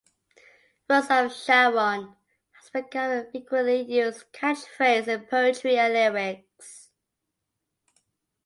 "Rose of Sharon" has become a frequently used catch phrase in poetry and lyrics.